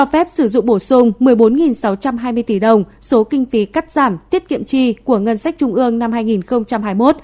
phép sử dụng bổ sung một mươi bốn sáu trăm hai mươi tỷ đồng số kinh phí cắt giảm tiết kiệm chi của ngân sách trung ương năm hai nghìn hai mươi một